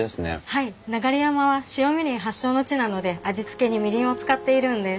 はい流山は白みりん発祥の地なので味つけにみりんを使っているんです。